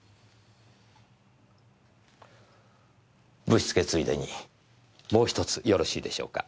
ぶしつけついでにもう１つよろしいでしょうか？